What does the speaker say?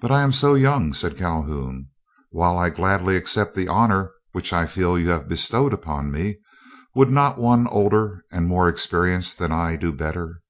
"But I am so young," said Calhoun; "while I gladly accept the honor which I feel you have bestowed upon me, would not one older and more experienced than I do better?"